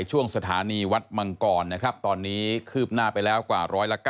ช่วงสถานีวัดมังกรนะครับตอนนี้คืบหน้าไปแล้วกว่า๑๙